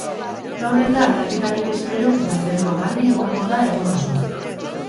Gaur ez da aldaketarik espero eta zerua garbi egongo da egun osoz.